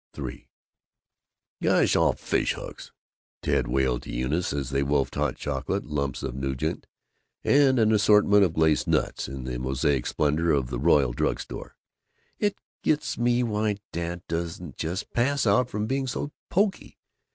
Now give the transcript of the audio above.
III "Gosh all fishhooks!" Ted wailed to Eunice, as they wolfed hot chocolate, lumps of nougat, and an assortment of glacé nuts, in the mosaic splendor of the Royal Drug Store, "it gets me why Dad doesn't just pass out from being so poky.